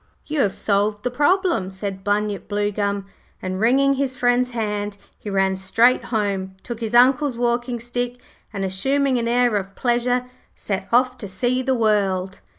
'You have solved the problem,' said Bunyip Bluegum, and, wringing his friend's hand, he ran straight home, took his Uncle's walking stick, and assuming an air of pleasure, set off to see the world.